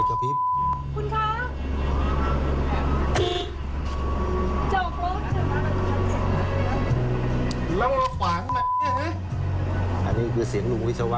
อันนี้คือเสียงลุงวิศวะ